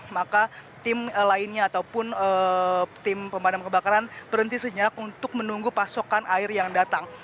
maka tim lainnya ataupun tim pemadam kebakaran berhenti senyarak untuk menunggu pasokan air yang datang